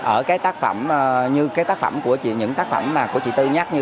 ở cái tác phẩm như những tác phẩm của chị tư nhắc như